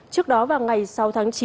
trước đó vào ngày sáu tháng chín